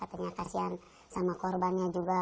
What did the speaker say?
punya kasihan sama korbannya juga